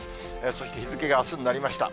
そして日付があすになりました。